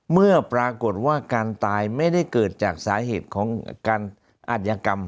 เมื่อปรากฏว่าการตายไม่ได้เกิดจากสาเหตุของการอาธิกรรม